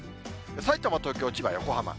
さいたま、東京、千葉、横浜。